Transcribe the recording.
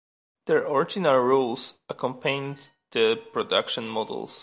Their original rules accompanied the production models.